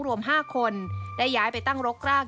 รวม๕คนได้ย้ายไปตั้งรกราก